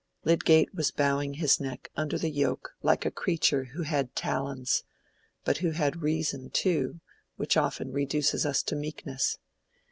Lydgate was bowing his neck under the yoke like a creature who had talons, but who had Reason too, which often reduces us to meekness.